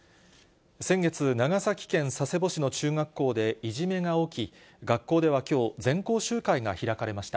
先月、長崎県佐世保市の中学校でいじめが起き、学校ではきょう、全校集会が開かれました。